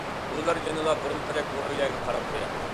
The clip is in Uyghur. ئۇلار يەنىلا بۇرۇنقىدەك بۇ ئۆيلەرگە قاراپ قوياتتى.